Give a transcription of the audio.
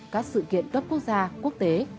các sự kiện gấp quốc gia quốc tế